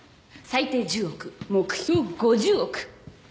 最低１０億目標５０億。